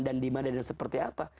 dan dimana dan seperti apa